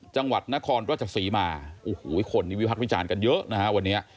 จังหวัดนครตรวจศรีมาโอ้โหคนวิพักวิจารณ์กันเยอะนะครับวันนี้